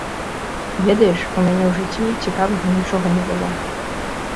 Ведаеш, у мяне ў жыцці цікавага нічога не было.